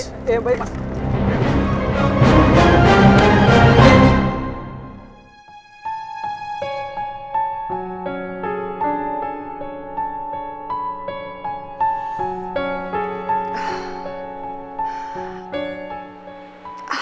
iya baik mas